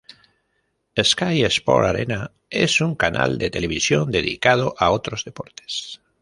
Sky Sport Arena es un canal de televisión dedicado a otros deportes.